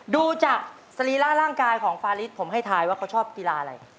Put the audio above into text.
ดูจากสรีระร่างกายของฟาริสผมให้ทายว่าเขาชอบกีฬาอะไร